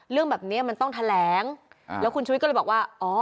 เรื่องแบบเนี้ยมันต้องแถลงแล้วคุณชุวิตก็เลยบอกว่าอ๋อ